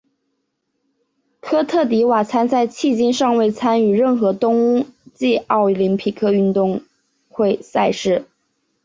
科特迪瓦参赛迄今尚未参与任何冬季奥林匹克运动会赛事。